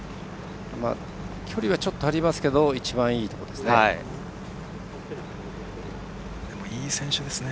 距離はちょっとありますけど一番いいところですね。